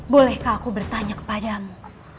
bolehkah aku bertanya kepadamu